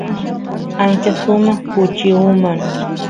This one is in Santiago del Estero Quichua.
ancha sumaq kuchi uman